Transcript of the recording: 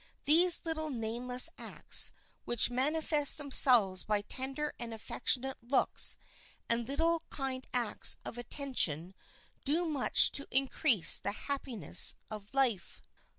Those little nameless acts which manifest themselves by tender and affectionate looks and little kind acts of attention do much to increase the happiness of life.